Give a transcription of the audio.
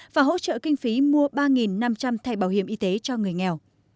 và hỗ trợ kinh phí mua ba năm trăm linh thẻ bảo hiểm y tế cho người nghèo